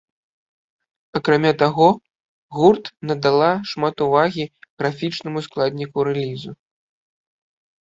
Акрамя таго, гурт надала шмат увагі графічнаму складніку рэлізу.